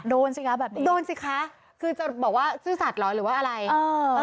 ดูสิคะแบบนี้โดนสิคะคือจะบอกว่าซื่อสัตว์เหรอหรือว่าอะไรเออ